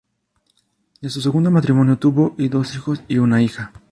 De su segundo matrimonio tuvo y dos hijos y una hija.